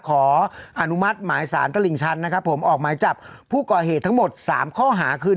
ขออนุมัติหมายสารตลิ่งชันนะครับผมออกหมายจับผู้ก่อเหตุทั้งหมด๓ข้อหาคือ